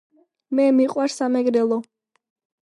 მე მიყვარს სამეგრელო